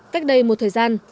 cách đây một thời gian